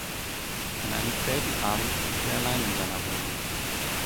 An einem späten Abend ist er allein in seiner Wohnung.